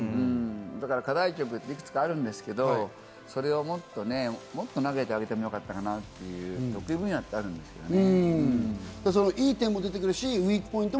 課題曲っていくつかあるんですけど、それをもっとなげてあげてもよかったかなっていう、得意分野ってあるんですけどね。